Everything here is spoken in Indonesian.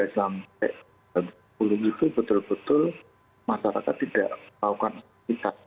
tiga sampai jam sepuluh itu betul betul masyarakat tidak melakukan aktivitas